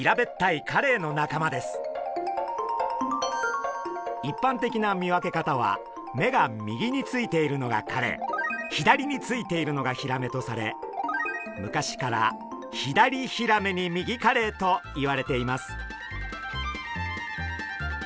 いっぱん的な見分け方は目が右についているのがカレイ左についているのがヒラメとされ昔から「左ヒラメに右カレイ」といわれています。